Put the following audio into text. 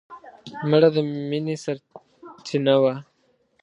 مړه د مینې سرڅینه وه